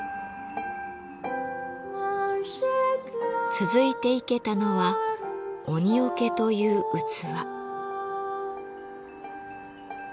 続いて生けたのは鬼桶という器。